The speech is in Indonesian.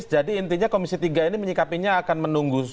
jadi intinya komisi tiga ini menyikapinya akan menunggu